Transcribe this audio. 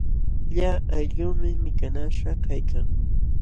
Lla aylluumi mikanaśhqa kaykan.